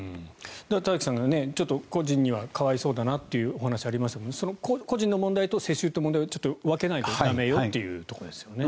田崎さんが個人には可哀想だなというお話がありましたがその個人の問題と世襲の問題をちょっと分けないと駄目よというところですよね。